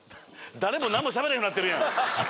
誰も何もしゃべれへんようになってるやん。